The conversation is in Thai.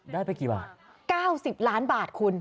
ได้ไปกี่บาท๙๐ล้านบาทคุณ